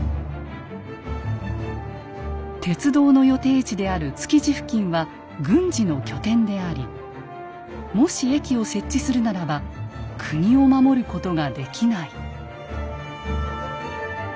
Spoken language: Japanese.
「鉄道の予定地である築地付近は軍事の拠点でありもし駅を設置するならば国を守ることができない」。